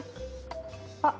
あっ！